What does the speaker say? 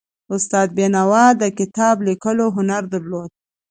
استاد بینوا د کتاب لیکلو هنر درلود.